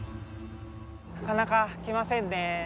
なかなか来ませんね。